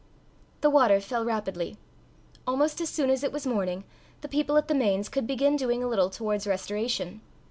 The water fell rapidly. Almost as soon as it was morning, the people at the Mains could begin doing a little towards restoration.